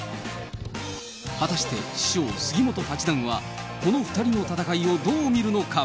果たして師匠、杉本八段は、この２人の戦いをどう見るのか。